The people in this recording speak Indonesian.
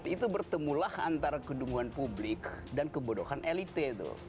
itu bertemulah antara kedunguan publik dan kebodohan elite